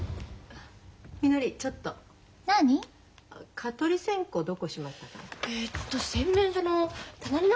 蚊取り線香どこしまったかな。